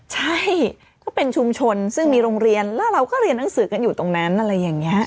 ใช่ก็เป็นชุมชนซึ่งมีโรงเรียนแล้วเราก็เรียนหนังสือกันอยู่ตรงนั้นอะไรอย่างนี้